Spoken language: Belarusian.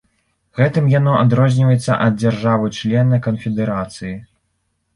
Гэтым яно адрозніваецца ад дзяржавы-члена канфедэрацыі.